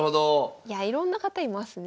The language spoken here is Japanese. いやあいろんな方いますね。